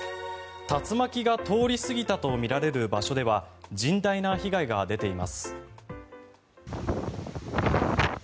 竜巻が通り過ぎたとみられる場所では甚大な被害が出ています。